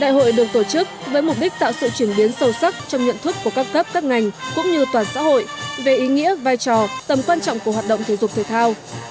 đại hội được tổ chức với mục đích tạo sự chuyển biến sâu sắc trong nhận thức của các cấp các ngành cũng như toàn xã hội về ý nghĩa vai trò tầm quan trọng của hoạt động thể dục thể thao